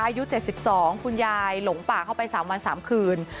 อายุเจ็ดสิบสองคุณยายหลงป่าเข้าไปสามวันสามคืน